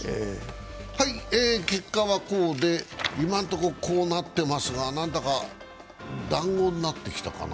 結果はこうで、今のとここうなってますがなんだかだんごになってきたかな。